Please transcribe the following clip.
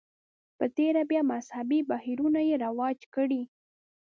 په تېره بیا مذهبي بهیرونو یې رواج کړي.